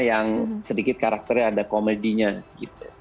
yang sedikit karakternya ada komedinya gitu